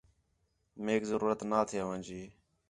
میک ضرورت نا تھے آوانجی